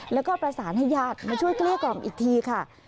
แล้วก็ประสานให้ญาติมาช่วยเกลี้ยกล่อมอีกทีค่ะ